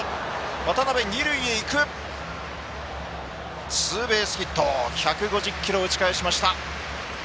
渡邉、二塁へ行くツーベースヒット、１５０キロを打ち返しました。